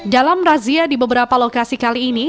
dalam razia di beberapa lokasi kali ini